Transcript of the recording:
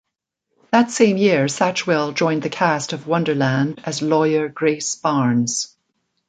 That same year, Satchwell joined the cast of "Wonderland" as lawyer Grace Barnes.